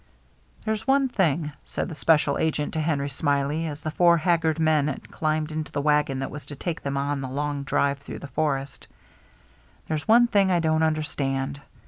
" There's one thing," said the special agent to Henry Smiley, as the four haggard men climbed into the wagon that was to take them on the long drive through the forest, " there's one thing I don't understand.